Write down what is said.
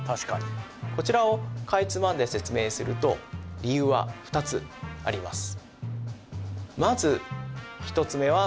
こちらをかいつまんで説明すると理由は２つあります